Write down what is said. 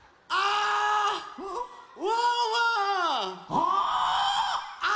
ああ！